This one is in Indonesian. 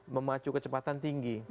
memacu kecepatan tinggi